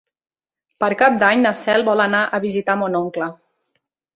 Per Cap d'Any na Cel vol anar a visitar mon oncle.